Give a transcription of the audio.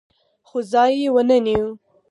خو ځای یې ونه نیو.